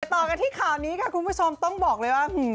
ต่อกันที่ข่าวนี้ค่ะคุณผู้ชมต้องบอกเลยว่า